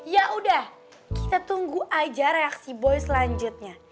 yaudah kita tunggu aja reaksi boy selanjutnya